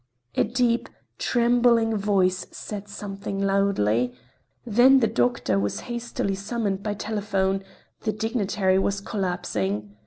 A deep, trembling voice said something loudly. Then the doctor was hastily summoned by telephone; the dignitary was collapsing.